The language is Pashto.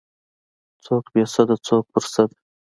څوک بې سده څوک په سد.